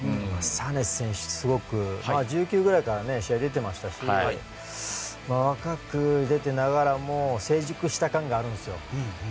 サネ選手は１９ぐらいから試合に出ていましたし若く出ていながらも成熟した感があるんですよ。